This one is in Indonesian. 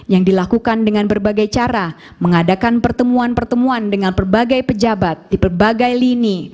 yang dilakukan dengan berbagai cara mengadakan pertemuan pertemuan dengan berbagai pejabat di berbagai lini